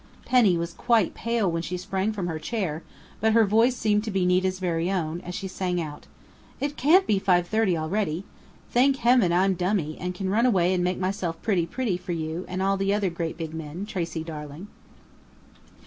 Penny was quite pale when she sprang from her chair, but her voice seemed to be Nita's very own, as she sang out: "It can't be 5:30 already!... Thank heaven I'm dummy, and can run away and make myself pretty pretty for you and all the other great big men, Tracey darling!"